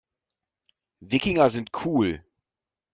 Wikinger sind cool.